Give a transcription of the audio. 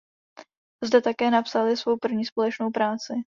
Zde také napsali svou první společnou práci.